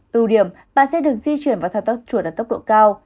từ điểm bạn sẽ được di chuyển vào thao tác chuột ở tốc độ cao